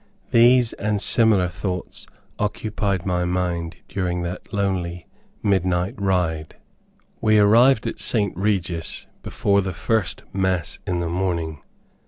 These, and similar thoughts occupied my mind during that lonely midnight ride. We arrived at St. Regis before the first Mass in the morning.